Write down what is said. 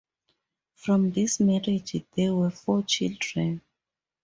From this marriage there were four children.